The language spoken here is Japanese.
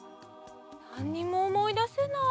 なんにもおもいだせない。